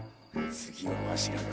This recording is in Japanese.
次はわしらが。